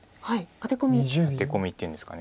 アテコミっていうんですかね。